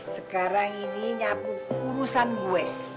sekarang ini nyapu urusan gue